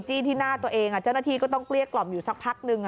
ที่หน้าตัวเองเจ้าหน้าที่ก็ต้องเกลี้ยกล่อมอยู่สักพักนึง